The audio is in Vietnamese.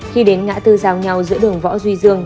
khi đến ngã tư giao nhau giữa đường võ duy dương